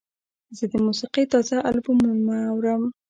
زه د موسیقۍ تازه البومونه اورم.